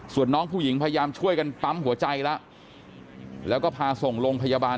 ส่วนน้องผู้หญิงพยายามช่วยกันปั๊มหัวใจแล้วแล้วก็พาส่งโรงพยาบาล